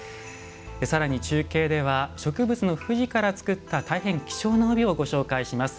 さらに中継では植物の藤から作った大変貴重な帯をご紹介します。